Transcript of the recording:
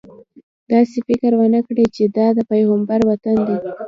داسې فکر ونه کړې چې دا د پیغمبر وطن دی.